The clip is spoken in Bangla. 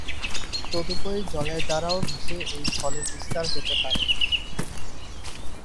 তদুপরি জলের দ্বারাও ভেসে এই ফলের বিস্তার হতে পারে।